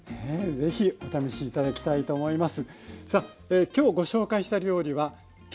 是非お試し頂きたいと思います。